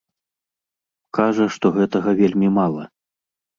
Кажа, што гэтага вельмі мала.